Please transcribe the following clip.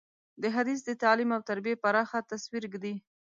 دا حدیث د تعلیم او تربیې پراخه تصویر ږدي.